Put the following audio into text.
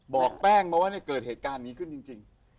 บอกแป้งมาว่าเกิดเหตุการณ์นี้ขึ้นจริง